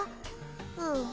うん。